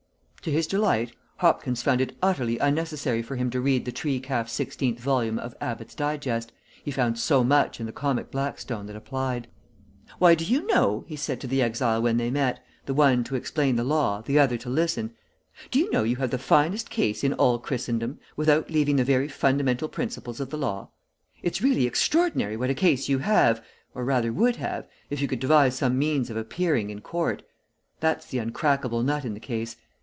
To his delight, Hopkins found it utterly unnecessary for him to read the tree calf sixteenth volume of Abbott's "Digest," he found so much in the "Comic Blackstone" that applied. "Why, do you know," he said to the exile when they met, the one to explain the law, the other to listen, "do you know you have the finest case in all Christendom, without leaving the very fundamental principles of the law? It's really extraordinary what a case you have, or rather, would have, if you could devise some means of appearing in court. That's the uncrackable nut in the case.